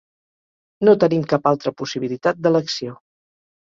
No tenim cap altra possibilitat d'elecció.